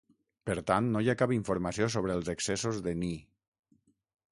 Per tant, no hi ha cap informació sobre els excessos de Ni.